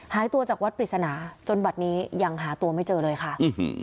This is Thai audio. หายตัวจากวัดปริศนาจนบัตรนี้ยังหาตัวไม่เจอเลยค่ะ